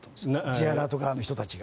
Ｊアラート側の人たちが。